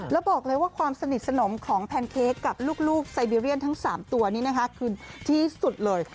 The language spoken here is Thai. แล้วบอกเลยว่าความสนิทสนมของแพนเค้กกับลูกไซเบีเรียนทั้ง๓ตัวนี้นะคะคือที่สุดเลย